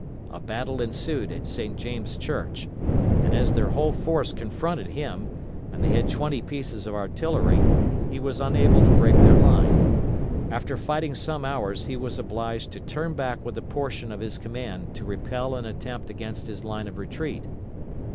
A battle ensued at St. James' Church, and as their whole force confronted him, and they had twenty pieces of artillery, he was unable to break their line. After fighting some hours he was obliged to turn back with a portion of his command to repel an attempt against his line of retreat.